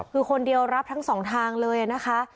คือคนเดียวรับทั้งสองทางเลยนะคะ